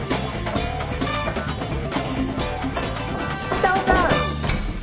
・北尾さん。